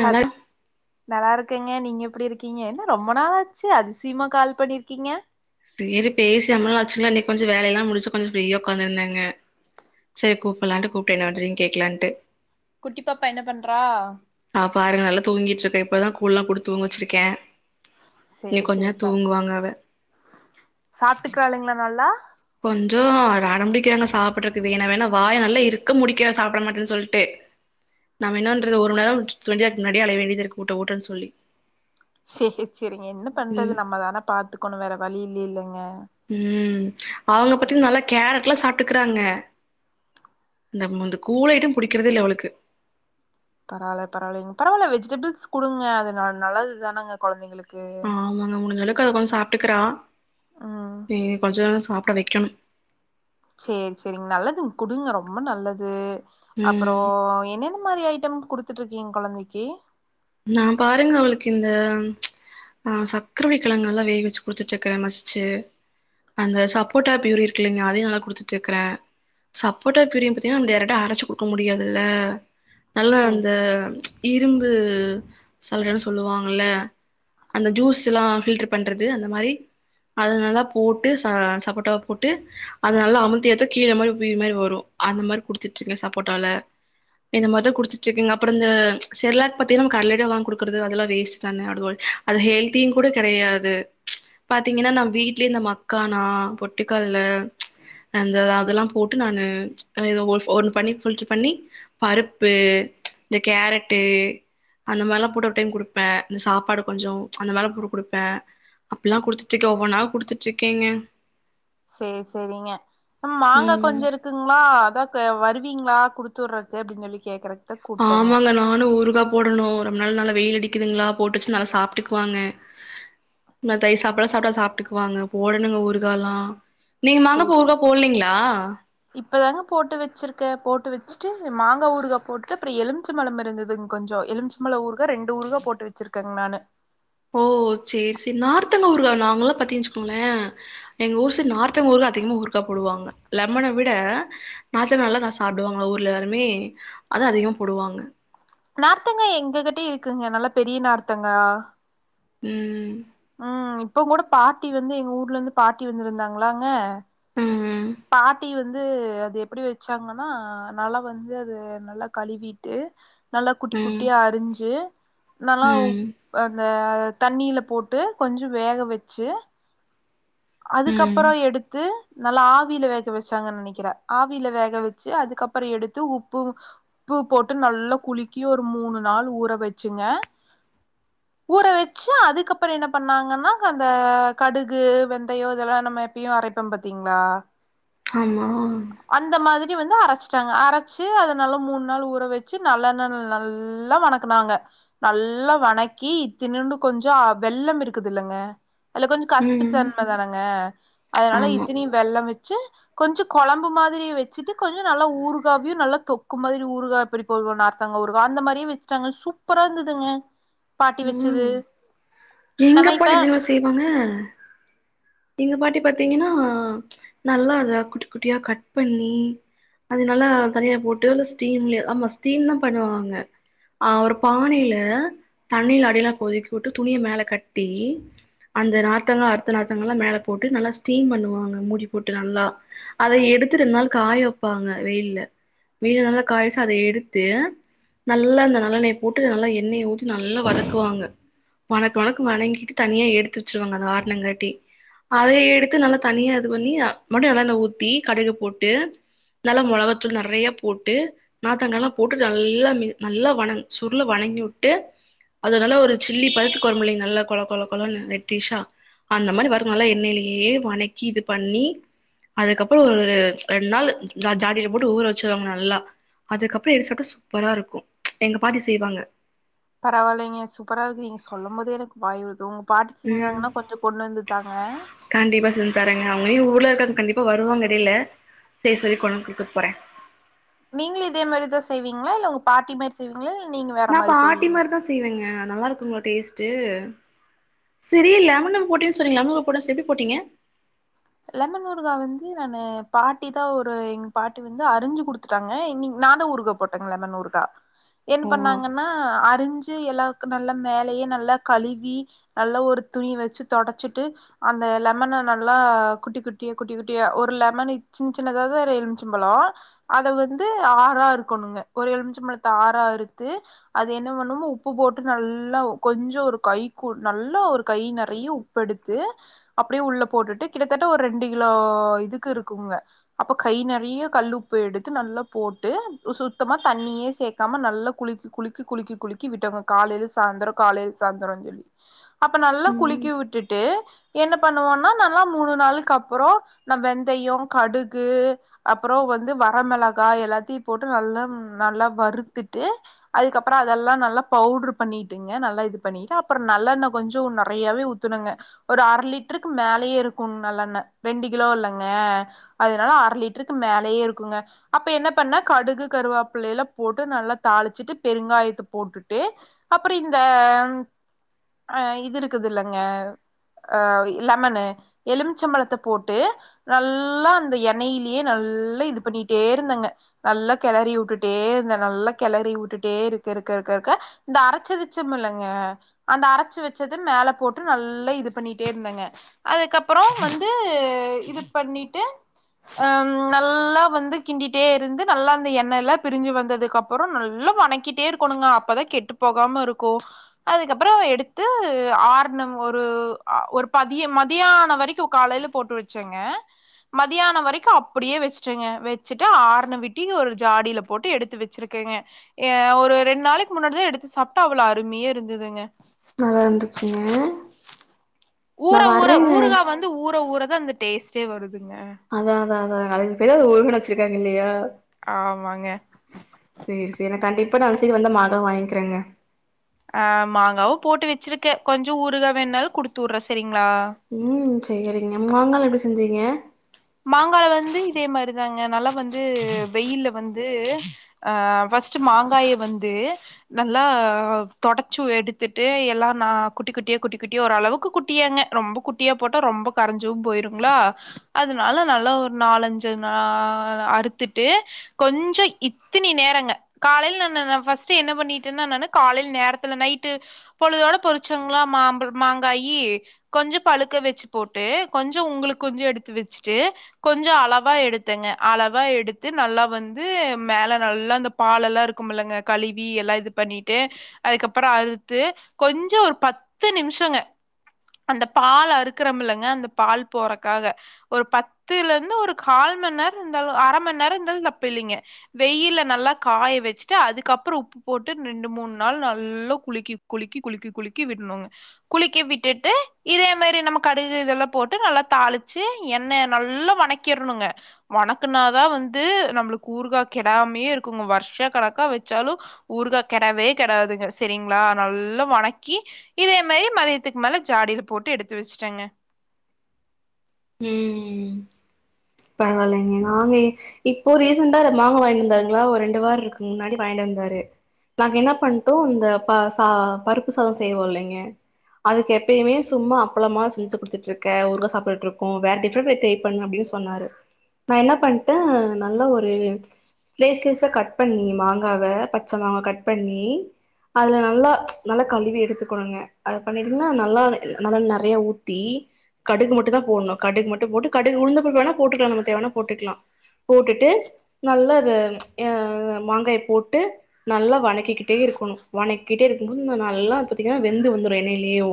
ஹல் நல்லா இருக்கேங்க, நீங்க எப்டி இருக்கீங்க. என்ன ரொம்ப நாள் ஆச்சு அதிசயமா கால் பண்ணிருக்கீங்க செரி பேசி ரொம்பனால் ஆச்சுங்குல இன்னைக்கு கொஞ்சோ வேலல்லா முடிச்சு கொஞ்சோ ஃப்ரீயா உக்காந்து இருந்தேங்க செரி கூப்பிட்லான்ட்டு கூப்ட என்ன பண்றீங்க கேக்கலான்ட்டு குட்டி பாப்பா என்ன பண்றா ஆ பாருங்க நல்லா தூங்கிட்டுருக்கா. இப்போதா கூழ்லா குடுத்து தூங்க வச்சிருக்க இங்க சேரி கொஞ்சோ சேரிப்பா தூங்குவாங்க அவ சாப்ட்டுக்கிறாளுங்களா நல்லா கொஞ்சோ அடம் பிடிக்கிறாங்க சாப்டறதுக்கு என்ன வேணா வாய நல்லா இருக்க மூடிக்கிறா சாப்ட மாட்டேன் சொல்ட்டு. நாம என்னா பண்றது ஒரு மணி நேரம் விட்டு [inaudible] இருக்கு முன்னாடியே அழைய வேண்டியதிருக்கு ஊட்ட ஊட்டன் சொல்லி செரி செரிங்க என்ன பண்றது ம் நம்ம தான பாத்துக்கணு வேற வழி இல்லேலங்க ம் அவங்க பத்தீங் நல்லா கேரட்லா சாப்ட் எத்துக்கறாங்க அந்த கூழ் ஐட்டம் புடிக்கிறதே இல்ல அவளுக்கு பரவால்ல பரவால்லைங்க பரவால்ல வெஜிடபிள்ஸ் குடுங்க அது நல்லது தானாங்க கொழந்தைங்களுக்கு ஆ ஆமாங்க முடிஞ்ச அளவுக்கு அவ கொஞ்சோ சாப்ட்டுக்கறா ம் இனி கொஞ்சோ சாப்ட வைக்கணு செரி செரிங்க நல்லது குடுங்க ரொம்ப நல்லது அப்பற ம் இப்போ என்னென்ன மாரி ஐட்டம் குடுத்துட்டு இருக்கீங்க கொழந்தைக்கு நா பாருங்க அவளுக்கு இந்த ஆ. சக்கரவள்ளி கிழங்க நல்லா வேக வச்சு குடுத்துட்டு இருக்குற மசிச்சு அந்த சப்போர்ட்டா ப்யூரி இருக்குல்லைங்க அதையு நல்லா குடுத்துட்டு இருக்குற சப்போர்ட்டா ப்யூரியு பாத்தீங்கன்னா நம்ம டைரக்டா அரைச்சு குடுக்க முடியாதுல்ல நல்லா சேரி அந்த இரும்பு சல்லடன்னு சொல்லு வாங்கல அந்த ஜூஸ்ல்லா பில்டர் பண்றது அந்த மாரி அது நல்லா போட்டு ச சப்போட்டாவ போட்டு அது நல்லா அமுத்தி ஏத்த கீழே மாரி ப்யூரி மாரி வரு அந்த மாரி குடுத்துட்டு இருக்க சப்போட்டால இந்த மாரிதா குடுத்துட்டு இருக்கேங்க. அப்ற இந்த செர்லாக் பாத்தீங்கன்னா கடைல வாங்கி குடுக்குறது அதெல்லா வேஸ்ட் தான அதுவு அது ஹெல்த்தியு கூட கெடையாது பாத்தீங்கன்னா நம்ம வீட்லயே இந்த மக்கானா பொட்டுக்கல்ல அந்த அதெல்லா போட்டு நானு ஏதோ ஒன்னு பண்ணி ஃபில்டர் பண்ணி பருப்பு இந்த கேரட்டு அந்த மாரில்லா போட்டு ஒரு டைம் குடுப்ப இந்த சாப்பாடு கொஞ்சோ அந்த மேல போட்டு குடுப்ப அப்படில்லா குடுத்துட்டு இருக்கே ஒவ்வொன்னா குடுத்துட்டு இருக்கேங்க செரி செரிங்க ம் மாங்காய் கொஞ்சோ இருக் க்குங்களா அதா வருவீங்ளா குடுத்துர்றதுக்கு அப்டின் சொல்லி கேக்குற ஆமாங்க நானு ஊருகா போடணு. ரொம்பநாளா நல்லா வெயில் அடிக்குதுங்களா போட்டு வச்சு நல்லா சாப்ட்டுக்குவாங்க இந்த தயிர் சாப்பாட்லா சாப்ட்டா சாப்ட்டுக்குவாங்க போடணுங்க ஊறுகாலா நீங்க சேரி மாங்காப்பூ சே ஊறுகா போடலீங்ளா இப்பதாங்க போட்டு வச்சிருக்க போட்டு வச்சுட்டு மாங்கா ஊறுகா போட்டு அப்பற எலும் எலுமிச்சம் பழம் இருந்ததுங்க கொஞ்ச எலுமிச்சம் பழம் ஊறுகா ரெண்டு ஊறுகா போட்டு வச்சிருக்கேங்க நானு ஓ சரி சரி நார்த்தங்கா ஊறுகா நாங்கலா பாத்திங்க வச்சுக்கோங்களே எங்க ஊர்ஸ் நார்த்தங்கா ஊருகா அதிகமா ஊருகா போடுவாங்க லெம்மன விட நார்த்தங்கா நல்லா நா சாப்டுவாங்க ஊர்ல எல்லாருமே அத அதிகமா போடுவாங்க நார்த்தங்கா எங்க கிட்டயு இருக்குங்க நல்லா பெரிய நார்த்தங்கா ம் ம் இப்ப கூட பாட்டி வந்து எங்க ஊர்ல இருந்து பாட்டி வந்திருந்தாங்களாங்க ம் பாட்டி வந்து அது எப்டி வச்சாங்கன்னா நல்லா வந்து அது நல்லா கழுவிட்டு நல்லா குட்டி ம் குட்டியா அரிஞ்சு நல்லா ம் அந்த தண்ணியில போட்டு கொஞ்ச வேக வச்சு ம் அதுக்கப்பறோ எடுத்து நல்லா ஆவியில வேக வச்சாங்கன்னு நெனைக்கிறே ஆவியில வேக வச்சு அதுக்கப்பற எடுத்து உப்பு உப்பு போட்டு நல்லா குளிக்கி ஒரு மூணு நாள் ஊற வச்சுங்க ஊற வச்சு அதுக்கப்பற என்ன பண்ணாங்கன்னா அந்த கடுகு வெந் ந்தையோ இதெல்லா நம்ம எப்பயு அரைப்பம் பாத்தீங்களா ஆமா அந்த மாதிரி வந்து அரைச்சிட்டாங்க அரைச்சு அத நல்லா மூணு நாள் ஊற வச்சு நல்லெண் நல்லா வணக்க னாங்க நல்லா வணக்கி இத்தினின்டு கொஞ்ச வெள்ளம் இருக்குதுல்லங்க அதுல கொஞ்ச ம் கசிப்புச்சன்மை தானங்க அதனால ஆமா இத்தனி வெள்ளம் வச்சு கொஞ்ச கொழம்பு மாதிரியே வச்சுட்டு கொஞ்ச நல்லா ஊருகாவியு நல்லா தொக்கு மாதிரி ஊருகாவ நார்த்தாங்க ஊருகா அந்த மாதிரியே வச்சுட்டாங்க சூப்பரா இருந்ததுங்க பாட்டி வச்சது ம் எங்க நம்ம அப்பா இப்ப எடுத்துங்களு செய்வாங்க இந்த பாட்டி பாரத்தீங்கன்னா நல்லா அதா குட்டி குட்டியா கட் பண்ணி அதனால தனியா போட்டு இல்ல ஸ்டீம்ல ஆமா ஸ்டீம் தா பண்ணுவாங்க ஆ ஒரு பானையில தண்ணீல அடியெல்லா கொதிக்கி விட்டு துணிய மேல கட்டி அந்த நார்த்தங்கா அடுத்த நார்த்தங்கல்லா மேல போட்டு நல்லா ஸ்டீம் பண்ணுவாங்க மூடி போட்டு நல்லா அத எடுத்துட்டு ரெண்நாள் காய வப்பாங்க வெயில்ல வெயில நல்லா காயவச்சு அத எடுத்து நல்லா அந்த நல்லெண்ணையை போட்டு நல்லா எண்ணெயை ஊத்தி நல்லா வதக்குவாங்க உனக்கு மணங்கிட்டு தனியா எடுத்து வச்சருவாங்க அத ஆரணங்காட்டி அதையே எடுத்து நல்லா தனியா இது பண்ணி மறுபடியு நல்லெண்ண ஊத்தி கடைல போட்டு நல்லா மொளகத்தூள் நெறைய போட்டு நார்த்தங்கலல்லா போட்டு நல்லா ம நல்லா வணங் சுருள வணங்கி விட்டு அதனால ஒரு சில்லி பருத்து குழறம்பலைங்க நல்ல கொல கொல கொலன்னு ரெட்டிஷா அந்த மாரி வரும் நல்லா எண்ணெயிலயே வணக்கி இது பண்ணி அதுக்கப்பற ஒரு ஒரு ரெண்டு நாள் ஜாடியில போட்டு ஊற வச்சிருவாங்க நல்லா அதுக்கப்பற எடுத் சாப்ட்டா சூப்பரா இருக்கும் எங்க பாட்டி செய்வாங்க பரவாயில்லைங்க சூப்பரா இருக்கு நீங்க சொல்லும் போதே எனக்கு வாய் வருதூ பாட்டு ம் செஞ்சாங்கன்னா கொஞ்ச கொண்ணு வந்து தாங்க கண்டிப்பா செஞ்சு தாரங்க அவங்களும் ஊர்ல இருக்காங்க கண்டிப்பா வருவங்க எடையில செய்ய சொல்லி கொண்டு குடுத்துட்டு போறே நீங்களே இதே மாரிதா செய்வீங்களா இல்ல உங்க பாட்டி மாரி செய்விங்ளா நீங்க வ நா பாட்டி மாரிதா செய்வேங்க நல்லா இருக்குங்களா டேஸ்ட்டு செரி லெமன போட்டே சொன்னீங்க லெமன போட்ட எப்படி போட்டீங்க லெமன் ஊருகா வந்து நானு பாட்டி தா ஒரு எங் பாட்டி வந்து அறிஞ்சு குடுத் துட்டாங்க இன்னிக் நாந்தா ஊருகா போட்டேங்க லெமன் ஊருகா பிளாக் என்ன பண்ணாங்கன்னா அரிஞ்சு எல்லாக்கு நல்ல மேலயே நல்லா கழுகி நல்லா ஒரு துணி வெச்சு தொடச்சிட்டு அந்த லெமன நல்லா குட்டி குட்டியோ குட்டி குட்டியா ஒரு லெமனு சின் சின்ன அதாவ்து ஒரு எல்ம்ச்சம்பழோ அத வந்து ஆறா இருக்கணுங்க ஒரு எலும்ச்ச பழத்த ஆறா அறுத்து அது என்ன பண்ணுமோ உப்பு போட்டு நல்லா ஒ கொஞ்சோ ஒரு கை கூ நல்லா ஒரு கை நெறைய உப் பெடுத்து அப்டே உள்ள போட்டுட்டு கிட்டதட்ட ஒரு ரெண்டு கிலோ இதுக்கு இருக்குங்க அப்போ கை நெறிய கல்லுப்பு எடுத்து நல்லா போட்டு சுத்தமா தண்ணியே சேக் காம நல்லா குளிக்கி குளிக்கி குளிக்கி குளிக்கி விட்டொங்க காலைல சாந்தரோ காலைல் சாந்தரோ சொல்லி அப்ப நல்லா ம் குளிக்கி விட்டுட்டு என்ன பண்ணுவோன்னா ந ல்லா மூணு நாளுக்கு அப்புறோ நா வெந்தயோ கடுகு அப்புறோ வந்து வரமெளகா எல்லாத்தியு போட்டு நல்லா நல்லா வருத்துட்டு அதுக்கப்புற அதெல்லா நல்லா பவுட்ரு பண்ணிட்டுங்க நல்லா இது பண்ணிட்டு அப்புற நல்லண்ணெ கொஞ்சு நறையவே ஊ த்தனுங்க ஒரு அர லிட்டருக்கு மேலயே இருக்கு நல்லண்ணெ ரெண்டு கிலோ இல்லைங்க அதனால அர லிட்ருக்கு மேலயே இருக்குங்க அப்ப என்ன பண்ணா கடுகு கருவாப்பிள்ளே எல்லா போட்டு நல்லா தாளிச்சிட்டு பெருங்காயத்த போட்டுட்டு அப்பிடி இந்த அ இது இருக்குதுலங்க அ லெமனு எலும்ச்சம் பழத்த போட்டு நல்லா அந்த எண்ணெல்யே நல் லா இது பண்ணிட்டே இருந்தேங்க நல்லா கெளறி உட்டுட்டே இருந்த நல்லா கெளறி உட்டுட்டே இருக்க இருக்க இருக்க இருக்க இந்த அரச்சி வெச்சமில்லெங்க அந்த அரச்சு வெச்சது மேல போட்டு நல்லா இது பண்ணிட்டே இர்ந்தேங்க அதுக்கப் பறோ வந்து இது பண்ணிட்டு அம் நல்லா வந்து கிண்டிட்டே இருந்து நல்லா அந்த எண்ணயெல்லா பிரிஞ்சு வந்ததுக்கப் பறோ நல்லா வணக்கிட்டே இருக்கணுங்க அப்பதா கெட்டுப்போகாம இருக்கு அதுக்கப்பறோ எடுத்து ஆரணு ஒரு அ ஒரு பதிய மதியானவ ரிக்கு காலைல போட்டு வெச்சேங்க மதியான வரைக்கு அப்படியே வெஷ்ட்டேங்க வெச்சுட்டு ஆறனு விட்டி ஒரு ஜாடில போட்டு எடுத்து வெ ச்சிருக்கேங்க எ ஒரு ரெண் நாளைக்கு முன்னாடிதா எடுத்து சாப்ட்டா அவ்வளோ அருமிய இருந்துதுங்க நல்லா இருந்துச்சுங்க நா ஊற ஊற வர்றேங்க ஊருகா வந்து ஊற ஊறதா அந்த டேஸ்டே வருதுங்க அதா அதா அதா அதுக்குதே ஊறுகான் வெச்சுர்காங் இல்லையா ஆமாங்க சேரி சேரி கண்டிப்பா நா அந் சைடு வந்தா மறக்காம் வாய்ங்கிறேங்க அ மாங்காவு போட்டு வெச்சிர்க்கே கொஞ்சோ ஊருகா வேண்ணாலு குடுத்து உடுறே செரிங்ளா ம் சேரிங்க மாங்கால எப்டி செஞ்சீங்க மாங்கால வந்து இதே மாரிதாங்க நல்லா வந்து வெயில்ல வந்து அ ஃபஸ்ட்டு மாங்காய வந்து நல்லா தொடச்சு எடுத்துட்டு எல்லா நா குட்டி குட்டியா குட்டி குட்டியா ஓரளவுக்கு குட்டியாங்க ரொம்போ குட்டியா போட்டா ரொம்ப கரஞ்சு போய்ருங்ளா அதனால நல்லா ஒர் நாலஞ்சு நா அ அறுத்திட்டு கொஞ்ச இத்தினி நேரங்க காலைல நானு நா ஃபஸ்ட்டு என்ன பண்ணிட்ருந்த நானு காலைல நேரத்துல நைட்டு பொழுதோட பொறிச்சங்ளா மாம்பழ மாங்காயி கொஞ்சோ பழுக்க வெச்சுப் போட்டு கொஞ்சோ உங்களுக்கு கொஞ்சோ எடுத்து வெச்சுட்டு கொஞ்சோ அளவா எடுத்தங்க அளவா எடுத்து நல்லா வந்து மேல நல்லா அந்தப் பாலெல்லா இருக்குமுலங்க கழுவி எல்லா இது பண்ணிட்டு அதுக்கப்பற அறுத்து கொஞ்சோ ஒரு பத்து நிம்ஷங்க அந்த பால் அறுக்குறமில்லங்க அந்த பால் போறக்காக ஒரு பத்துல இருந்து ஒரு கால் மண் நேர இருந்தாலு அர மண் நேர இருந்தாலு தப்பில்லைங்க வெயில்ல நல்லா காய வெச்ட்டு அதுக்கப்ற உப்பு போட்டு நெண்டு மூண் நாள் நல்லா குழுக்கி குழுக்கி குழுக்கி குழுக்கி விட்னுங்க குழுக்கி விட்டுட்டு இதே மாரி நம்ம கடுகு இதெல்லா போட்டு நல்லா தாளிச்சி எண்ணெய நல்லா வணக்கிற்ணுங்க வணக்குனாதா வந்து நம்மளுக்கு ஊறுகா கெடாமயே இருக்குங்க வர்ஷ கணக்கா வெச்சாலு ஊறுகா கெடவே கெடாதுங்க செரிங்ளா நல்லா வணக்கி இதே மாரி மதியத்துக்கு மேல ஜாடில போட்டு எடுத்து வெச்ட்டேங்க ம் பரவால்லைங்க நாங்க இ இப்போ ரீசென்டா ஒரு மாங்க வாங்கிட்டு வந்தாருங்ளா ஒரு ரெண்டு வார இருக்கு முன்னாடி வாங்கிட்டு வந்தாரு நாங்க என்ன பண்ட்டோ இந்த பா சா பருப்பு சாத செய்வோ இல்லைங்க அதுக்கு எப்பயுமே சும்மா அப்பளமா செஞ்சு குடுதுட்ருக்க ஊறுக சாப்டுட்ருக்கு வேற டிஃப்ரெண்ட்ட ட்ரை பண்ணு அப்டின்னு சொ சொன்னாரு நா என்ன பண்ட்டே நல்ல ஒரு ஸ்லேஸ் ஸ்லேஸா கட் பண்ணி மாங்காவ பச்ச மாங்கா கட் பண்ணி அதுல நல்லா நல்லா கழுவி எடுத்துக்கணுங்க அத பண்ணிட்டீங்னா நல்லாரு நல்லா நெறையா ஊத்தி கடுகு மட்டு தா போட்ணு கடுகு மட்டு போட்டு கடுகு உளுந்தப்பருப்பு வேணா போட்டுக்லா நம்ம தேவனா போட்டுக்கலா போட்டுட்டு நல்லா அது அ மாங்காய போட்டு நல்லா வணக்கிக்கிட்டே இருக்கணு வணக்கிட்டே இருக்கும் போது ந நல்லா அது பாத்தீங்கனா வெந்து வந்துரு எண்ணெயிலேயு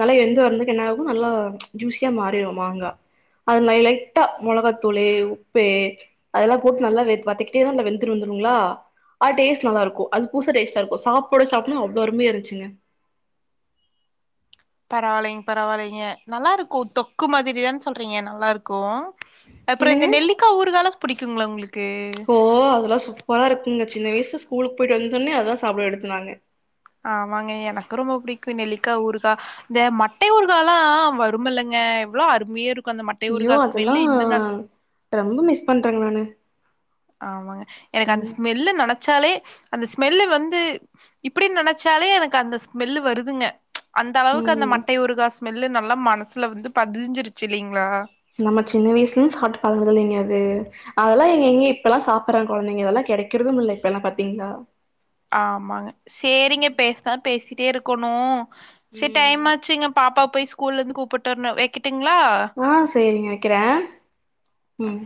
நல்லா எந்து வந்துக்கு என்ன ஆகு நல்லா ஜூசியா மாறிரு மாங்கா அது நா லை ட்டா மொளகாத்தூளு உப்பு அதெல்லா போட்டு நல்லா வெ வத்தக்கிட்டே நல்லா வெந்துரு வந்துருங்ளா அது டேஸ்ட் நல்லாருக்கு அது புதுசா டேஸ்டா இருக்கு சாப்ட சாப்டா அவ்ளோ அருமையா இருந்ச்சுங்க பரவால்லைங் பரவால்லைங்க நல்லா இருக்கு தொக்கு மாதிரிதான சொல்றீங்க நல்லா இருக்கு அப்பற இந்த என்னங்க நெல்லிக்கா ஊறுகாலா புடிக்குங்களா உங்களுக்கு ஓ அதெல்லா சூப்பரா இருக்குங்க சின்ன வயசுல ஸ்கூலுக்கு போயிட்டு வந்தோனே அதா சாப்டுவே எடுத்து நானு ஆமாங்க எனக்கு ரொம்ப புடிக்கு நெல்லிக்கா ஊறுகா இந்த மட்டை ஊறுகாலா வருமில்லங்க எவ்ளோ அருமையா இருக் கு அந்த மட்டை ஐயோ ஊறுகா அதெல்லா ஸ்மெல்லு இன்ன நெனச்சு ரொம்ப மிஸ் பண்றேங்க நானு ஆமாங்க எனக்கு அந்த ஸ்மெல்லு நெனச்சாலே அந்த ஸ்மெல்லு வந்து இப்டின் நெனச்சாலே எனக்கு அந்த ஸ்மெல்லு வருதுங்க அந்த அளவுக்கு அந்த ம் மட்டை உறுகா ஸ்மெல்லு நல்லா மனசுல வந்து பதிஞ்சிருச்சு இல்லைங்ளா நம்ம சின்ன வயசுலருந்து சாப்ட்டு பழங்குனதில்லைங்க அது அதெல்லா எங்கங்கெ இப்பெல்லா சாப்புட்றாங்க கொழந்தைங்க அதெல்லா கெடைக்கிறதும் இல்ல இப்பெல்லா பாத்தீங்ளா ஆமாங்க சேரிங்க பேசுனா பேசிட்டே இருக்கணு சேரி ம் டைம்மாச்சுங்க பாப்பாவ போய் ஸ்கூலருந்து கூப்புட் ட்டு வர்ணு வெக்கட்டுங்ளா ஆ சேரிங்க வைக்கிறே ம்